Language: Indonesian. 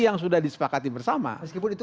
yang sudah disepakati bersama meskipun itu